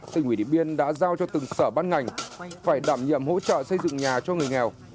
tỉnh huy điện biên đã giao cho từng sở bán ngành phải đảm nhậm hỗ trợ xây dựng nhà cho người nghèo